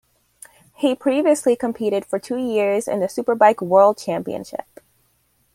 He previously competed for two years in the Superbike World Championship.